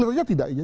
ternyata tidak ya